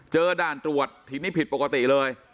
ด่านตรวจทีนี้ผิดปกติเลย